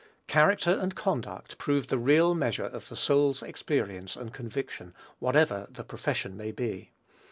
Character and conduct prove the real measure of the soul's experience and conviction, whatever the profession may be.